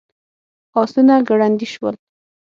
آسونه ګړندي شول.